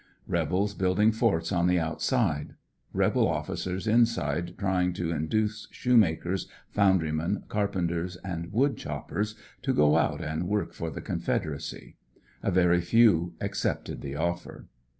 Rebels building forts on the outside Rebel officers inside trying to induce shoemakers, foundrymen, carpenters and wood choppers, to go out and work for the Confederacy. A very few accepted the offer.